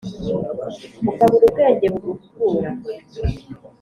ukabura ubwenge buguhugura